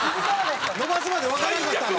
伸ばすまでわからんかったの？